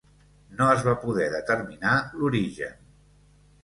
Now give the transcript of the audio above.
No es va poder determinar l'origen.